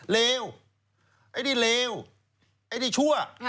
เลวไอ้นี่เลวไอ้นี่ชั่ว